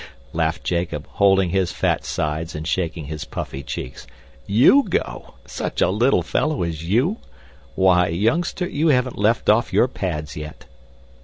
laughed Jacob, holding his fat sides and shaking his puffy cheeks. "YOU go? Such a little fellow as you? Why, youngster, you haven't left off your pads yet!"